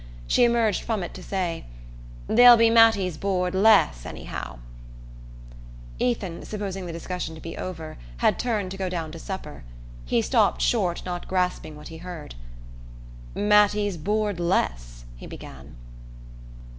She emerged from it to say: "There'll be Mattie's board less, any how " Ethan, supposing the discussion to be over, had turned to go down to supper. He stopped short, not grasping what he heard. "Mattie's board less ?" he began.